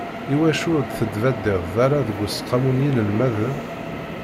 Iwacu ur d-tettbaddideḍ ara deg useqqamu n yinelmaden?